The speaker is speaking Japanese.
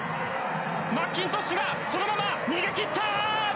マッキントッシュがそのまま逃げ切った！